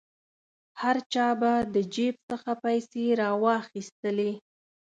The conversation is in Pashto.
هر چا به د جیب څخه پیسې را واخیستلې.